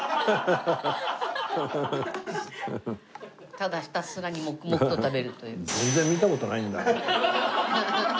ただひたすらに黙々と食べるという。